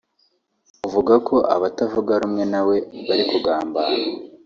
uvuga ko abatavuga rumwe nawe bari kugambana